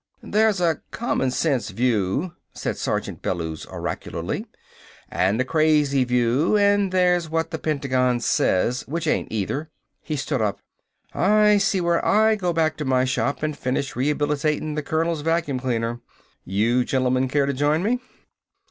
"There's a common sense view," said Sergeant Bellews oracularly, "and a crazy view, and there's what the Pentagon says, which ain't either." He stood up. "I see where I go back to my shop and finish rehabilitatin' the colonel's vacuum cleaner. You gentlemen care to join me?"